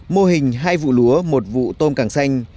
một vụ tôm càng xanh